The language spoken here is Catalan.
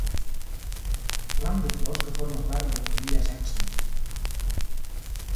Ram de flors que forma part de la família Jackson.